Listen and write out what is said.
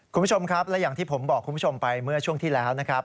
คุณผู้ชมครับและอย่างที่ผมบอกคุณผู้ชมไปเมื่อช่วงที่แล้วนะครับ